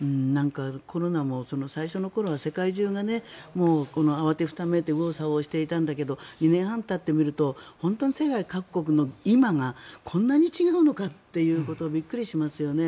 コロナも最初の頃は世界中が慌てふためいて右往左往していたんだけど２年半たってみると本当に世界各国の今がこんなに違うのかっていうことにびっくりしますよね。